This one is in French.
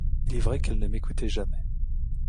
Il est vrai qu'elle ne m'écoutait jamais.